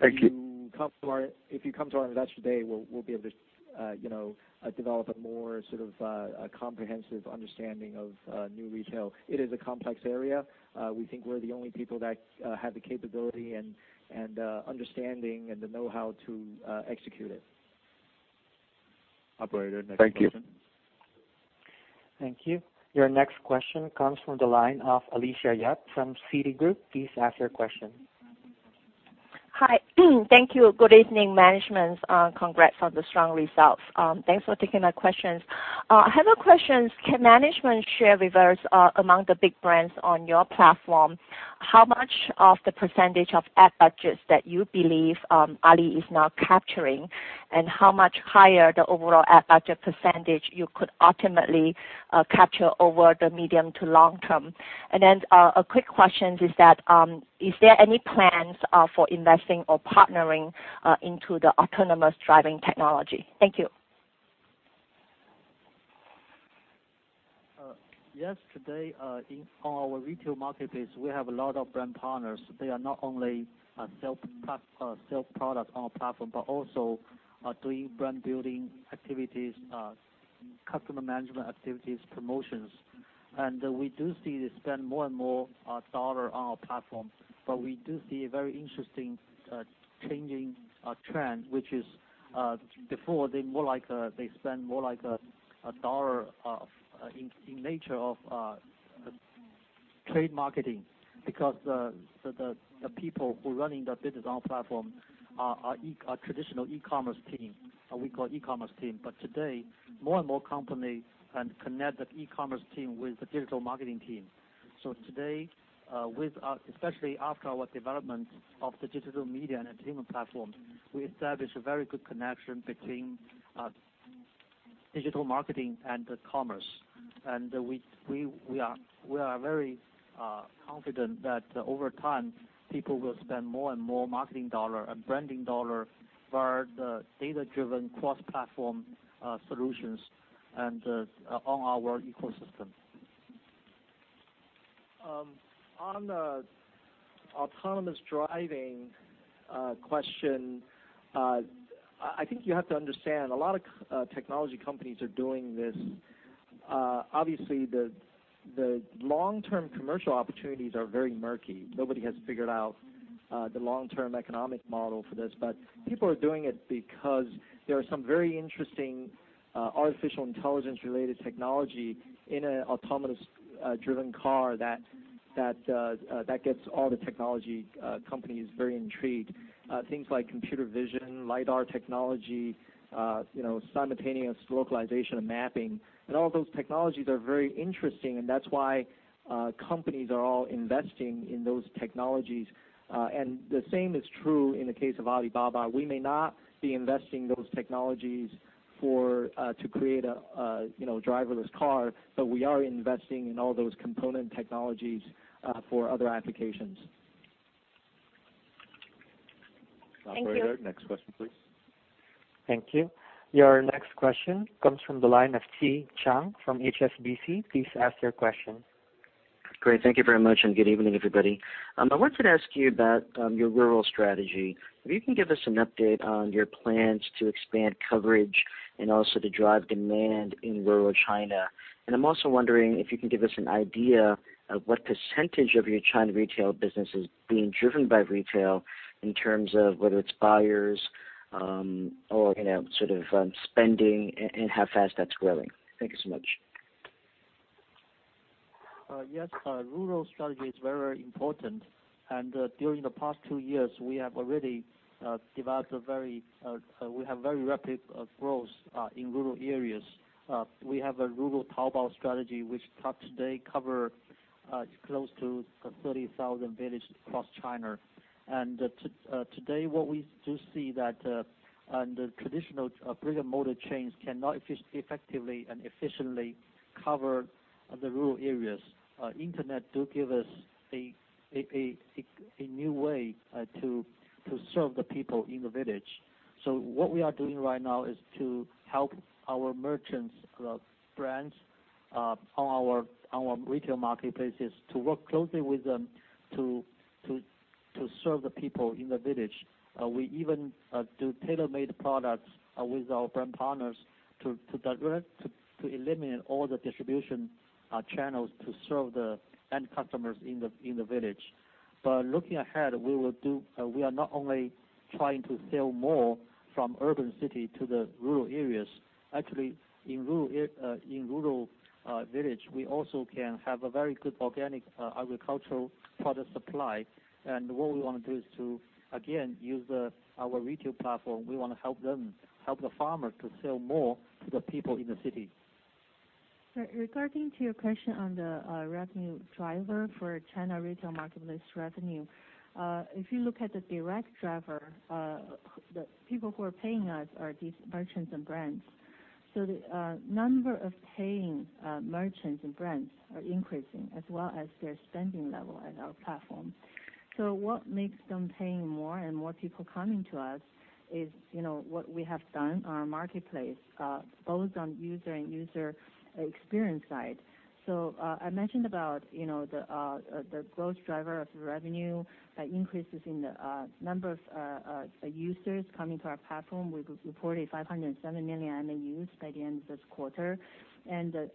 Thank you. Come to our, if you come to our Investor Day, we'll be able to, you know, develop a more sort of, comprehensive understanding of New Retail. It is a complex area. We think we're the only people that have the capability and understanding and the know-how to execute it. Operator, next question. Thank you. Your next question comes from the line of Alicia Yap from Citigroup. Please ask your question. Hi. Thank you. Good evening, Management. Congrats on the strong results. Thanks for taking my questions. I have a questions. Can Management share with us, among the big brands on your platform, how much of the percentage of ad budgets that you believe, Ali is now capturing, and how much higher the overall ad budget percentage you could ultimately capture over the medium to long term? Then, a quick question is that, is there any plans for investing or partnering into the autonomous driving technology? Thank you. Yes. Today, in our retail marketplace, we have a lot of brand partners. They are not only sell product on our platform, but also doing brand building activities, customer management activities, promotions. We do see they spend more and more dollar on our platform. We do see a very interesting changing trend, which is before they more like they spend more like a dollar in nature of trade marketing because the people who are running the business on platform are traditional e-commerce team, or we call e-commerce team. Today, more and more company can connect that e-commerce team with the digital marketing team. Today, with our especially after our development of the Digital Media and Entertainment platform, we established a very good connection between digital marketing and commerce. We are very confident that over time people will spend more and more marketing dollar and branding dollar via the data-driven cross-platform solutions and on our ecosystem. On the autonomous driving question, I think you have to understand a lot of technology companies are doing this. Obviously, the long-term commercial opportunities are very murky. Nobody has figured out the long-term economic model for this. People are doing it because there are some very interesting artificial intelligence related technology in an autonomous driven car that gets all the technology companies very intrigued. Things like computer vision, lidar technology, you know, simultaneous localization and mapping. All those technologies are very interesting, and that's why companies are all investing in those technologies. The same is true in the case of Alibaba. We may not be investing those technologies for to create a, you know, driverless car, but we are investing in all those component technologies for other applications. Thank you. Operator, next question, please. Thank you. Your next question comes from the line of Chi Tsang from HSBC. Please ask your question. Great. Thank you very much, and good evening, everybody. I wanted to ask you about your rural strategy. If you can give us an update on your plans to expand coverage and also to drive demand in rural China. I'm also wondering if you can give us an idea of what percentage of your China retail business is being driven by retail in terms of whether it's buyers, or, you know, sort of, spending and how fast that's growing. Thank you so much. Yes. Rural strategy is very important. During the past two years, we have already developed very rapid growth in rural areas. We have a Rural Taobao strategy, which today cover close to 30,000 villages across China. Today what we do see that, the traditional brick-and-mortar chains cannot effectively and efficiently cover the rural areas. Internet do give us a new way to serve the people in the village. What we are doing right now is to help our merchants, brands, on our retail marketplaces to work closely with them to serve the people in the village. We even do tailor-made products with our brand partners to direct, to eliminate all the distribution channels to serve the end customers in the village. Looking ahead, we are not only trying to sell more from urban city to the rural areas. In rural village, we also can have a very good organic agricultural product supply. What we wanna do is to, again, use our retail platform. We wanna help the farmer to sell more to the people in the city. Regarding to your question on the revenue driver for China regional marketplace revenue, if you look at the direct driver, the people who are paying us are these merchants and brands. The number of paying merchants and brands are increasing as well as their spending level at our platform. What makes them paying more and more people coming to us is, you know, what we have done on our marketplace, both on user and user experience side. I mentioned about, you know, the growth driver of the revenue by increases in the number of users coming to our platform. We reported 507 million MAUs by the end of this quarter. The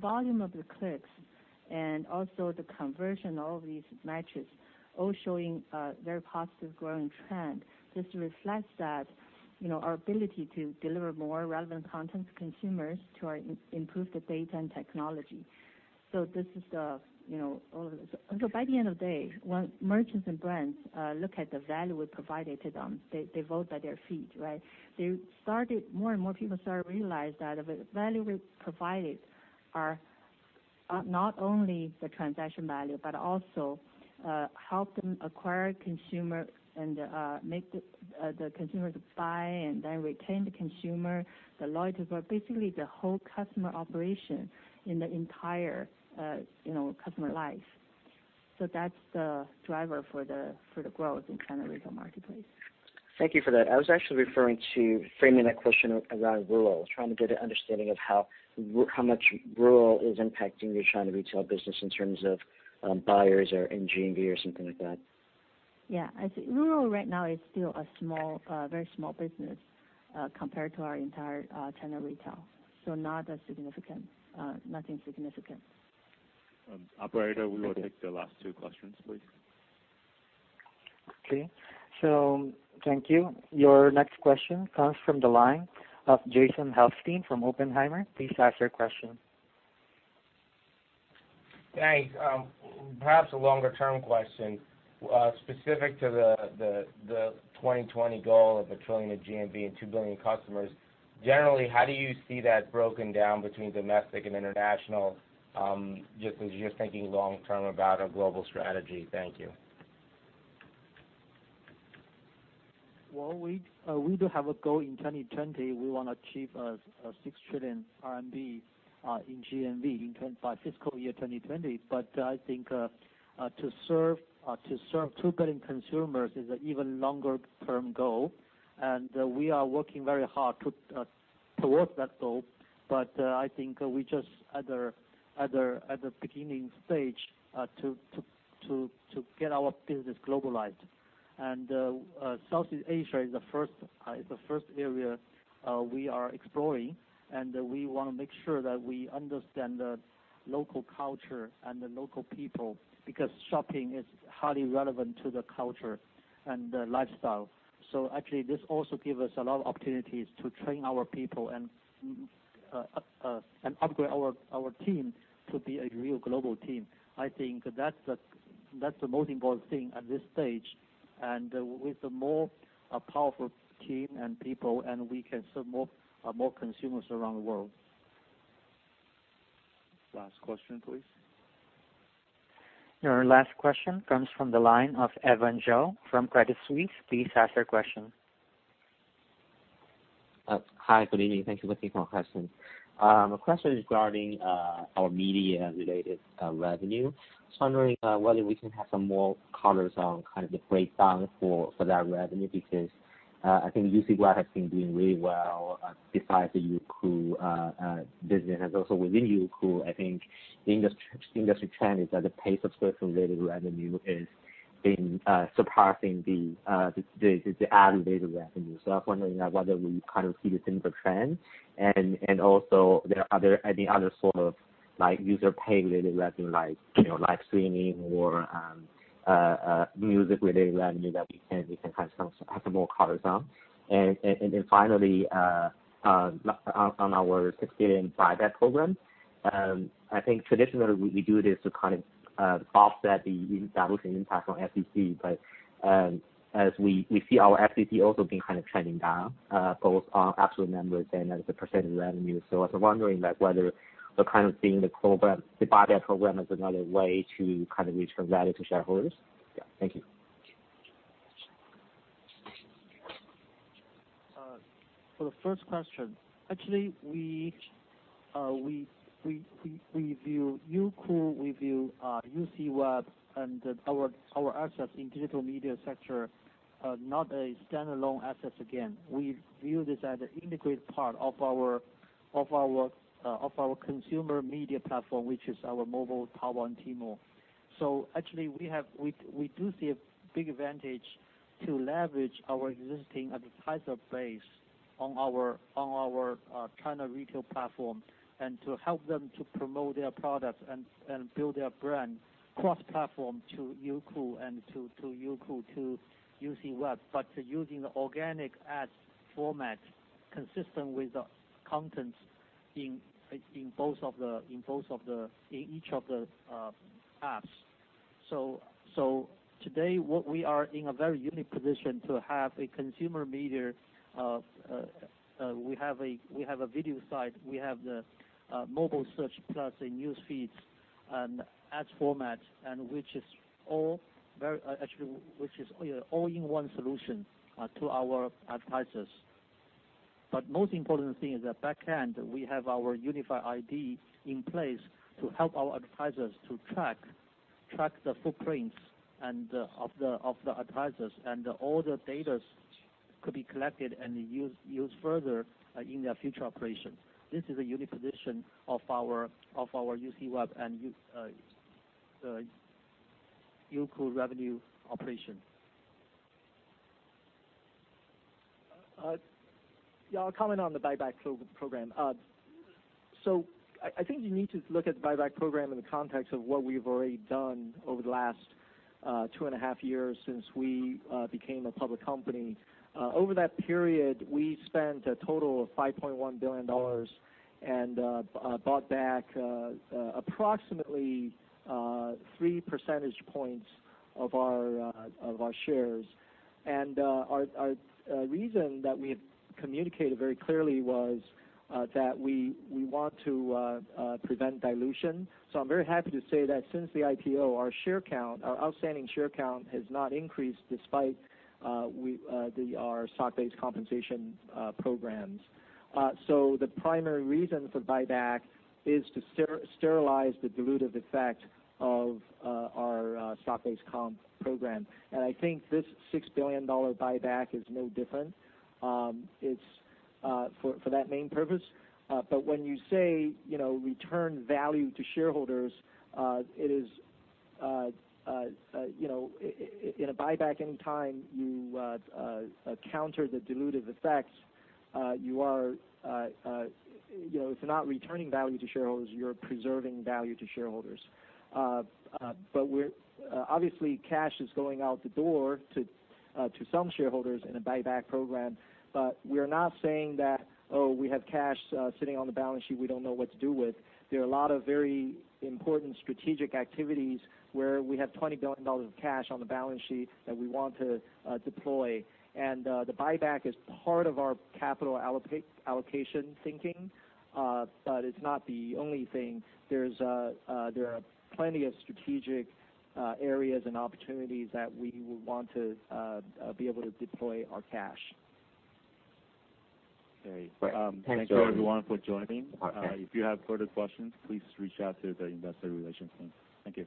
volume of the clicks and also the conversion of these matches all showing very positive growing trend. This reflects that, you know, our ability to deliver more relevant content to consumers through our improved data and technology. This is the, you know, all of this. By the end of the day, when merchants and brands, look at the value we provided to them, they vote by their feet, right? More and more people started to realize that the value we provided are not only the transaction value, but also help them acquire consumer and make the consumers buy and then retain the consumer, the loyalty, but basically the whole customer operation in the entire, you know, customer life. That's the driver for the, for the growth in China regional marketplace. Thank you for that. I was actually referring to framing that question around rural, trying to get an understanding of how much rural is impacting your China retail business in terms of buyers or in GMV or something like that. Yeah. I see. Rural right now is still a small, very small business, compared to our entire, China retail. Not a significant, nothing significant. Operator, we will take the last two questions, please. Okay. Thank you. Your next question comes from the line of Jason Helfstein from Oppenheimer. Please ask your question. Thanks. Perhaps a longer-term question, specific to the 2020 goal of 1 trillion of GMV and 2 billion customers. Generally, how do you see that broken down between domestic and international, just as you're thinking long term about a global strategy? Thank you. Well, we do have a goal in 2020. We wanna achieve a 6 trillion RMB in GMV by fiscal year 2020. I think to serve 2 billion consumers is an even longer term goal. We are working very hard towards that goal. I think we just at the beginning stage to get our business globalized. Southeast Asia is the first area we are exploring, and we wanna make sure that we understand the local culture and the local people, because shopping is highly relevant to the culture and the lifestyle. Actually, this also give us a lot of opportunities to train our people and upgrade our team to be a real global team. I think that's the most important thing at this stage. With the more powerful team and people and we can serve more consumers around the world. Last question, please. Your last question comes from the line of Evan Zhou from Credit Suisse. Please ask your question. Hi, good evening. Thank you for taking my question. A question regarding our media-related revenue. Just wondering whether we can have some more colors on kind of the breakdown for that revenue, because I think UCWeb has been doing really well besides the Youku business and also within Youku, I think the industry trend is that the pace of membership-related revenue is being surpassing the ad related revenue. I was wondering whether we kind of see the similar trend and also there are any other sort of like user paying related revenue like, you know, live streaming or music related revenue that we can have some more colors on. Finally, on our 6 billion buyback program, I think traditionally we do this to kind of offset the dilutive impact on SBC. As we see our SBC also been kind of trending down, both on absolute numbers and as a percentage of revenue. I was wondering, like, whether we're kind of seeing the program, the buyback program as another way to kind of return value to shareholders. Thank you. For the first question, actually, we view Youku, we view UCWeb and our assets in digital media sector, not a standalone assets again. We view this as an integrated part of our consumer media platform, which is our Mobile Taobao and Tmall. Actually, we do see a big advantage to leverage our existing advertiser base on our China retail platform and to help them to promote their products and build their brand cross-platform to Youku and to UCWeb, but using organic ads format consistent with the contents in each of the apps. Today what we are in a very unique position to have a consumer media, we have a video site, we have the mobile search plus a news feeds and ads format, which is all in one solution to our advertisers. Most important thing is that back-end, we have our unified ID in place to help our advertisers to track the footprints of the advertisers, and all the data could be collected and used further in their future operations. This is a unique position of our UCWeb and Youku revenue operation. Yeah, I'll comment on the buyback program. I think you need to look at the buyback program in the context of what we've already done over the last 2.5 years since we became a public company. Over that period, we spent a total of $5.1 billion and bought back approximately 3 percentage points of our shares. Our reason that we had communicated very clearly was that we want to prevent dilution. I'm very happy to say that since the IPO, our share count, our outstanding share count has not increased despite our stock-based compensation programs. The primary reason for buyback is to sterilize the dilutive effect of our stock-based comp program. I think this $6 billion buyback is no different. It's for that main purpose. When you say, you know, return value to shareholders, it is, you know, in a buyback any time you counter the dilutive effects, you are, you know, it's not returning value to shareholders, you're preserving value to shareholders. Obviously cash is going out the door to some shareholders in a buyback program. We're not saying that, "Oh, we have cash sitting on the balance sheet we don't know what to do with." There are a lot of very important strategic activities where we have $20 billion of cash on the balance sheet that we want to deploy. The buyback is part of our capital allocation thinking, but it's not the only thing. There are plenty of strategic areas and opportunities that we would want to be able to deploy our cash. Okay. Thank you. Thank you everyone for joining. If you have further questions, please reach out to the Investor Relations team. Thank you.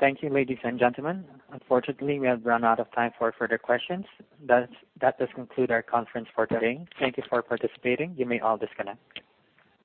Thank you, ladies and gentlemen. Unfortunately, we have run out of time for further questions. That does conclude our conference for today. Thank you for participating. You may all disconnect.